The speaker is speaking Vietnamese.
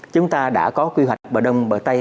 chúng ta đã có quy hoạch bờ đông bờ tây